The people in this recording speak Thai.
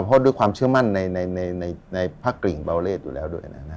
เพราะด้วยความเชื่อมั่นในพระกริ่งเบาเลสอยู่แล้วด้วยนะฮะ